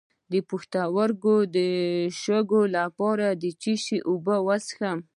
د پښتورګو د شګو لپاره د څه شي اوبه وڅښم؟